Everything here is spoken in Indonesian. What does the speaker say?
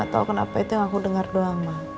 aku ngerasa kenapa itu yang aku dengar doang